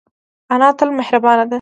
انا تل مهربانه ده